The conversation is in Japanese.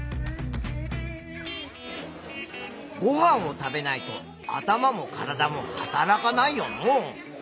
ごはんを食べないと頭も体も働かないよのう。